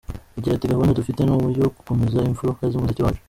Agira ati “Gahunda dufite ni iyo gukomeza imfuruka z’umuziki wacu.